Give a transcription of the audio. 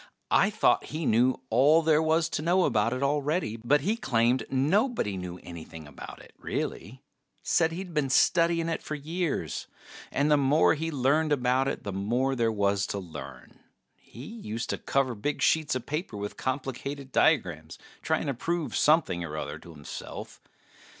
I thought he knew all there was to know about it already, but he claimed nobody knew anything about it, really. Said he'd been studying it for years, and the more he learned about it the more there was to learn. He used to cover big sheets of paper with complicated diagrams trying to prove something or other to himself.